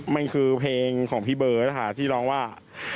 มันคือเพลงของพี่เบิร์ตนะคะที่ร้องว่า